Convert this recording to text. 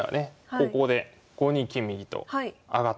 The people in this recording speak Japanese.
ここで５二金右と上がって。